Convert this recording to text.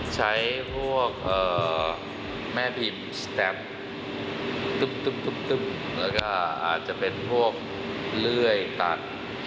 ใช้พวกแม่พิมพ์สแท็ปก็อาจจะเป็นพวกเลื่อยตัด